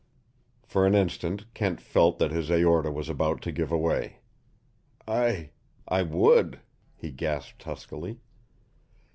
For an instant Kent felt that his aorta was about to give away. "I I would," he gasped huskily.